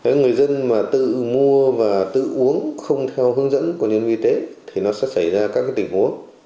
người dân mà tự mua và tự uống không theo hướng dẫn của nhân viên y tế thì nó sẽ xảy ra các tình huống